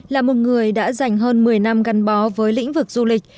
là một người đã dành hơn một mươi năm gắn bó với lĩnh vực du lịch